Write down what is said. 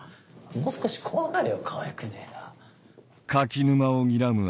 もう少し怖がれよかわいくねえな。なぁ